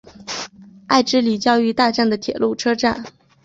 爱之里教育大站的铁路车站。